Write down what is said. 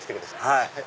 はい。